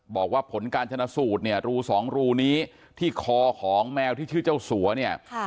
บอกว่าผลการชนะสูตรเนี่ยรูสองรูนี้ที่คอของแมวที่ชื่อเจ้าสัวเนี่ย